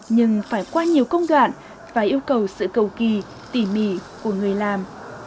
nhưng phải qua nhiều công đoạn và yêu cầu sự cầu kỳ tỉ mỉ của người làm